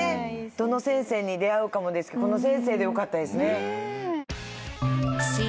「どの先生に出会うか」もですがこの先生でよかったですね。